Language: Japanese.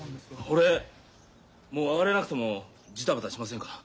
俺もう上がれなくてもじたばたしませんから。